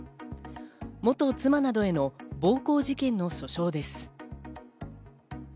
元妻などへの暴行事件の訴訟です。